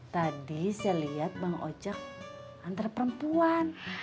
tadi saya liat bang ojek antara perempuan